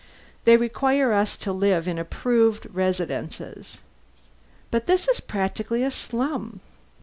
They require us to live in approved residences." "But this is practically a slum."